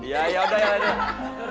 ya yaudah yaudah